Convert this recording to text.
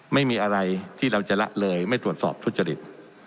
ไม่มีอะไรที่เราจะละเลยไม่ตรวจสอบทุจริต